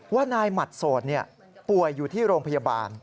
ว่านายหมัดโสดป่วยอยู่ที่โรงพยาบาล